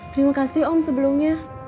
terima kasih om sebelumnya